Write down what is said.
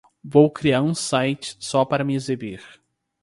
Vou criar um site só para me exibir!